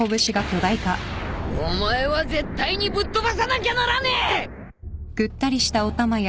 お前は絶対にぶっ飛ばさなきゃならねえ！